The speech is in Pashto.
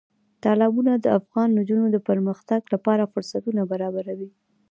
تالابونه د افغان نجونو د پرمختګ لپاره فرصتونه برابروي.